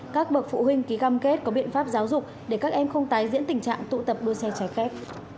các bậc phụ huynh ký cam kết có biện pháp giáo dục để các em không tái diễn tình trạng tụ tập đua xe trái phép